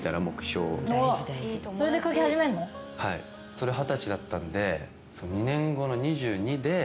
それ二十歳だったんで。